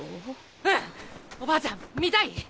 おばあちゃん見たい？